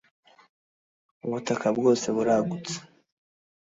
ubutaka bwose buragutse.